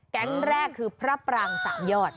แก๊งแรกคือพระปรางสามยอด